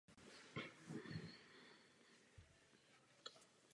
Hrubý byl v Těšíně aktivní v českém spolkovém životě.